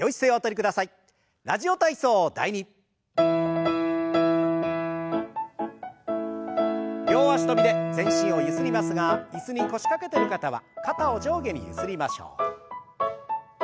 両脚跳びで全身をゆすりますが椅子に腰掛けてる方は肩を上下にゆすりましょう。